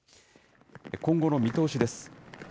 今後の見通しです。